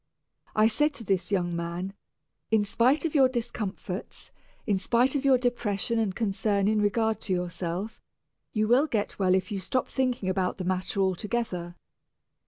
I said to this young man, "In spite of your discomforts, in spite of your depression and concern in regard to yourself, you will get well if you will stop thinking about the matter altogether.